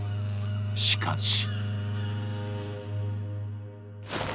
しかし。